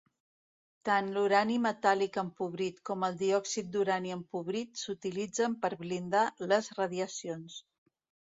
Tant l'urani metàl·lic empobrit com el diòxid d'urani empobrit s'utilitzen per blindar les radiacions.